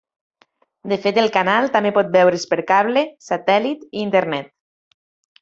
De fet, el canal també pot veure's per cable, satèl·lit i internet.